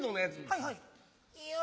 はいはい。